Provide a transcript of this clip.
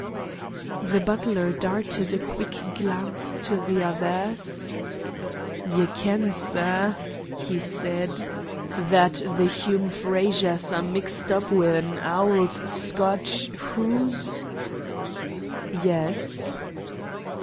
The butler darted a quick glance at the other. "Ye ken, sir," he said, "that the Hume Frazers are mixed up wi' an auld Scoatch hoose?" "Yes."